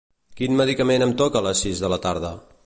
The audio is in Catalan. Quin medicament em toca a les sis de la tarda?